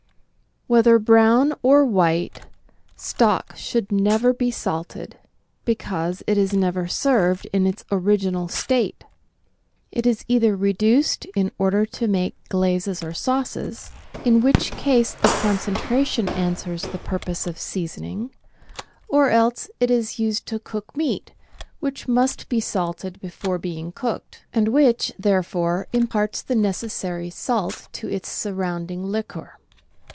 Whether brown or white, stock should never be salted, because it is never served in its original state. It is either reduced in order to make glazes or sauces — in which case the concentration answers the purpose of seasoning — or else it is lo GUIDE TO MODERN COOKERY used to cook meat which miist be salted before being cooked, and which, therefore, imparts the necessary salt to its sur rounding liquor.